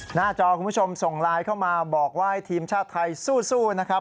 หน้าจอคุณผู้ชมส่งไลน์เข้ามาบอกว่าให้ทีมชาติไทยสู้นะครับ